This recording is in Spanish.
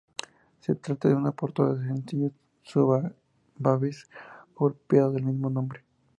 Se trata de una portada del sencillo Sugababes golpeado del mismo nombre.